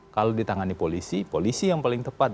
kalau ditangani polisi polisi yang paling tepat